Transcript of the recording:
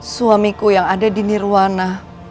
suamiku yang ada di nirwana